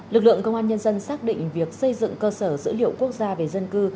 lực lượng công an nhân dân xác định việc xây dựng cơ sở dữ liệu quốc gia về dân cư